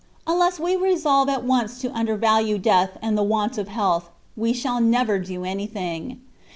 Unless we resolve at once to undervalue death and the want of health, we shall never do anything.